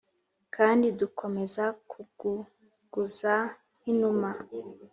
kandi dukomeza kuguguza nk inuma.